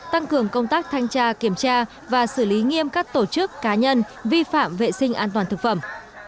tăng cường công tác thanh tra kiểm tra và xử lý nghiêm các tổ chức cá nhân vi phạm vệ sinh an toàn thực phẩm